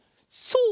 そう！